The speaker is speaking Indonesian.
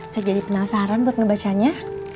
saya jadi penasaran buat ngebacanya